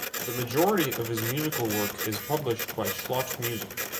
The majority of his musical work is published by Schott Music.